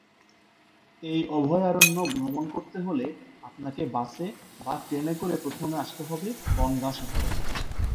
এই অভয়ারণ্য ভ্রমণ করতে হলে আপনাকে বাসে বা ট্রেনে করে প্রথমে আসতে হবে বনগাঁ শহরে।